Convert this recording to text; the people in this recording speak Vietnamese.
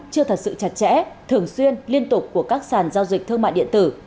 chưa thật sự chặt chẽ thường xuyên liên tục của các sàn giao dịch thương mại điện tử